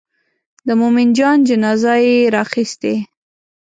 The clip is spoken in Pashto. د مومن جان جنازه یې راخیستې.